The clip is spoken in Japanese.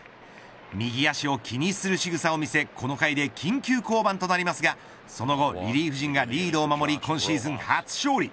右足を気にするしぐさを見せこの回で緊急降板となりますがその後リリーフ陣がリードを守り今シーズン初勝利。